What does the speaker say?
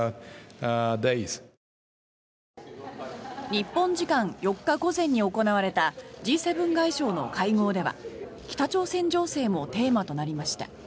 日本時間４日午前に行われたＧ７外相の会合では北朝鮮情勢もテーマとなりました。